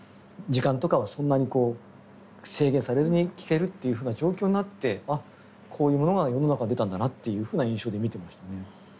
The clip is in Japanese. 時間とかはそんなに制限されずに聞けるっていうふうな状況になってこういうものが世の中に出たんだなっていうふうな印象で見てましたね。